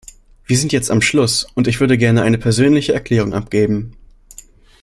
Wir sind jetzt am Schluss, und ich würde gerne eine persönliche Erklärung abgeben.